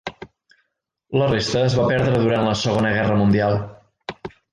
La resta es va perdre durant la Segona Guerra Mundial.